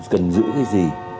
cần giữ cái gì